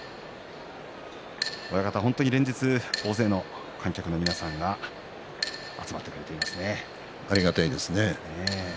親方、本当に連日大勢の観客の皆さんがありがたいですね。